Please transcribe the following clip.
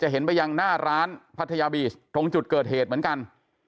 เห็นไปยังหน้าร้านพัทยาบีชตรงจุดเกิดเหตุเหมือนกัน